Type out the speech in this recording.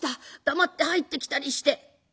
黙って入ってきたりして」。